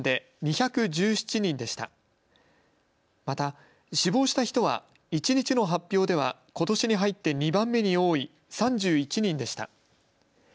また死亡した人は一日の発表ではことしに入って２番目に多い３１人でした。